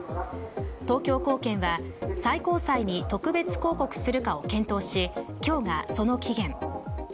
東京高検は、最高裁に特別抗告するかを検討し今日が、その期限。